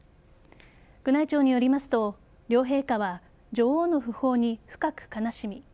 宮内庁によりますと両陛下は女王の訃報に深く悲しみ